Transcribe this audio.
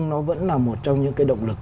nó vẫn là một trong những cái động lực